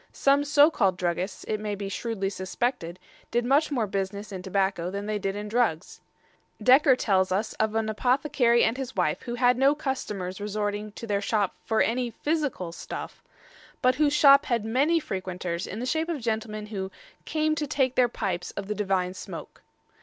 Some so called druggists, it may be shrewdly suspected, did much more business in tobacco than they did in drugs. Dekker tells us of an apothecary and his wife who had no customers resorting to their shop "for any phisicall stuffe," but whose shop had many frequenters in the shape of gentlemen who "came to take their pipes of the divine smoake."